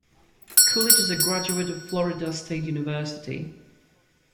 Coolidge is a graduate of Florida State University.